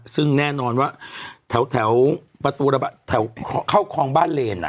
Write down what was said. ซึ่งแน่นอนว่าแถวเข้าคลองบ้านเลนน่ะ